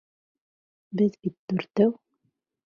Беҙ бит дүртәү.